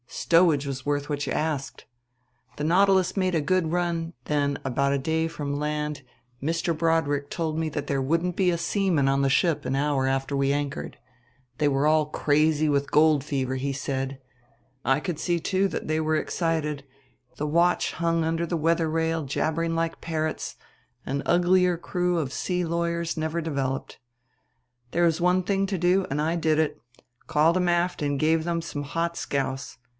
Stowage was worth what you asked.... The Nautilus made a good run; then, about a day from land, Mr. Broadrick told me that there wouldn't be a seaman on the ship an hour after we anchored. They were all crazy with gold fever, he said. I could see, too, that they were excited; the watch hung under the weather rail jabbering like parrots; an uglier crew of sea lawyers never developed. "There was one thing to do and I did it called them aft and gave them some hot scouse.